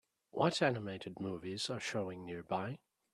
What animated movies are showing nearby